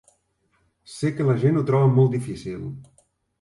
Sé que la gent ho troba molt difícil.